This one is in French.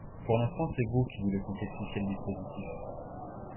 Pour l’instant, c’est vous qui voulez complexifier le dispositif